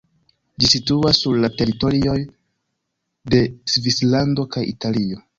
Ĝi situas sur la teritorioj de Svislando kaj Italio.